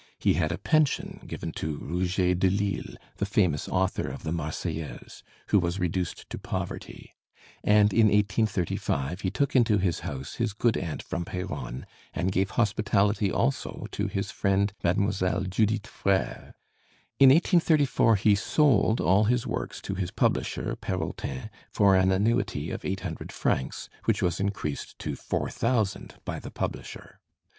He had a pension given to Rouget de l'Isle, the famous author of the 'Marseillaise,' who was reduced to poverty, and in 1835 he took into his house his good aunt from Péronne, and gave hospitality also to his friend Mlle. Judith Frère. In 1834 he sold all his works to his publisher, Perrotin, for an annuity of eight hundred francs, which was increased to four thousand by the publisher.